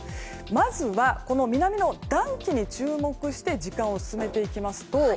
まずは南の暖気に注目して時間を進めていきますと